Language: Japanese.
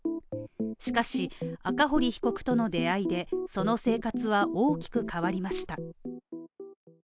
しかし、赤堀被告との出会いでその生活は大きく変わりました。